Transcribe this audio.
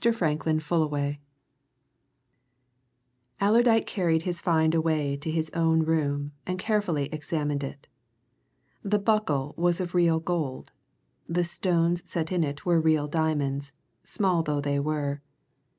FRANKLIN FULLAWAY Allerdyke carried his find away to his own room and carefully examined it. The buckle was of real gold; the stones set in it were real diamonds, small though they were.